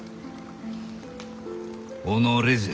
己じゃ。